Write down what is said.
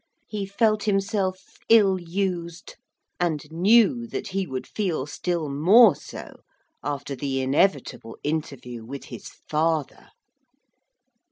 He felt himself ill used, and knew that he would feel still more so after the inevitable interview with his father.